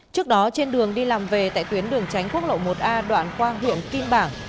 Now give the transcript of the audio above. trước đó trên đường đi làm về tại tuyến đường tránh quốc lộ một a đoạn qua huyện kim bảng